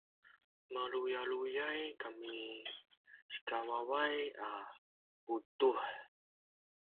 maluyaluyay kami sikawaway a puduh